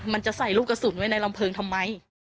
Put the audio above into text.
มันจะใส่ลูกกระสุนไว้ในลำเพลิงทำไม